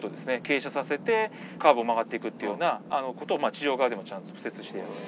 傾斜させてカーブを曲がっていくっていうような事を地上側でもちゃんと敷設している。